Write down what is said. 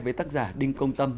với tác giả đinh công tâm